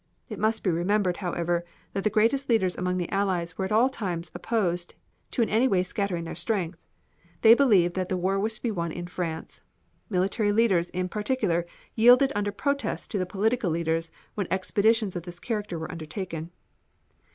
It must be remembered, however, that the greatest leaders among the Allies were at all times opposed to in any way scattering their strength. They believed that the war was to be won in France. Military leaders in particular yielded under protest to the political leaders when expeditions of this character were undertaken.